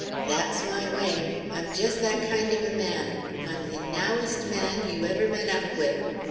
That's my way. I'm just that kind of a man; I'm the nowest man you ever met up with.